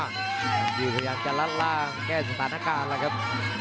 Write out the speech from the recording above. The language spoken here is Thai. นี่พยายามจะลัดล่างแก้สถานการณ์แล้วครับ